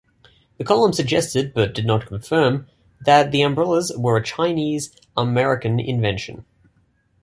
The column suggested but did not confirm that the umbrellas were a Chinese-American invention.